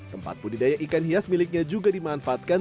tempat budidaya ikan hias miliknya juga dimanfaatkan